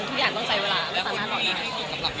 ก็เลยเอาข้าวเหนียวมะม่วงมาปากเทียน